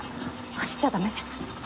走っちゃ駄目。